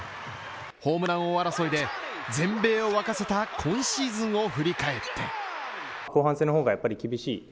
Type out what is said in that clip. ホームラン王争いで全米を沸かせた今シーズンを振り返った。